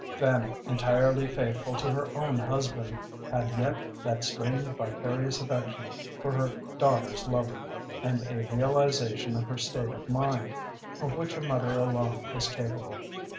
Fanny, entirely faithful to her own husband, had yet that strange vicarious affection for her daughter's lover, and a realization of her state of mind, of which a mother alone is capable.